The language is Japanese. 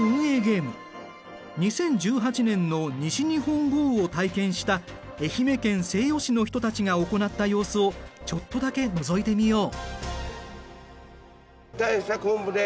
２０１８年の西日本豪雨を体験した愛媛県西予市の人たちが行った様子をちょっとだけのぞいてみよう。